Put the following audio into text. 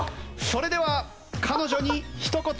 それでは彼女にひと言。